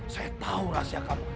saya tahu rahasia kamu